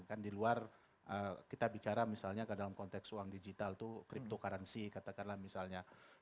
kan di luar kita bicara misalnya dalam konteks uang digital itu cryptocurrency katakanlah misalnya